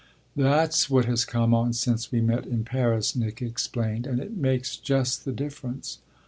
"That's what has come on since we met in Paris," Nick explained, "and it makes just the difference."